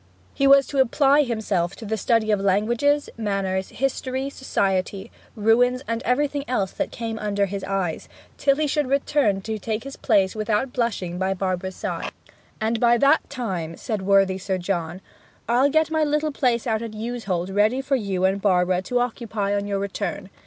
He was to apply himself to the study of languages, manners, history, society, ruins, and everything else that came under his eyes, till he should return to take his place without blushing by Barbara's side. 'And by that time,' said worthy Sir John, 'I'll get my little place out at Yewsholt ready for you and Barbara to occupy on your return.